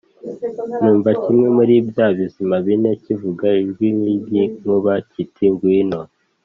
numva kimwe muri bya bizima bine kivuga ijwi nk’iry’inkuba kiti “Ngwino.